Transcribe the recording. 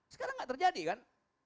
sekarang gak terjadi kan